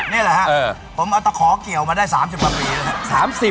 นี่แหละผมตะขอเกี่ยวมาได้๓๖ปี